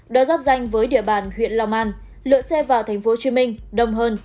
đó dắp danh với địa bàn huyện lào man lượn xe vào tp hcm đông hơn